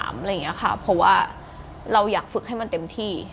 เพราะว่าเราอยากฝึกให้มันเต็มที่